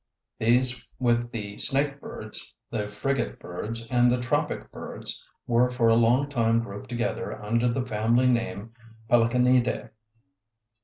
These with the snake birds, the frigate birds and the tropic birds were for a long time grouped together under the family name Pelecanidae.